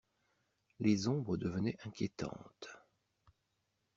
Les ombres devenaient inquiétantes.